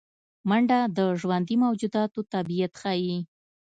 منډه د ژوندي موجوداتو طبیعت ښيي